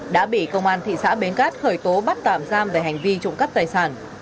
đã bị công an thị xã bến cát khởi tố bắt tạm giam về hành vi trộm cắp tài sản